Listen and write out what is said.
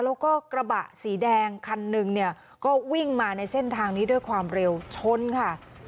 แล้วก็กระบะสีแดงคันหนึ่งเนี่ยก็วิ่งมาในเส้นทางนี้ด้วยความเร็วชนค่ะ